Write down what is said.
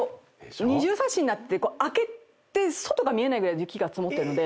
二重サッシになってて開けて外が見えないぐらい雪が積もってるので。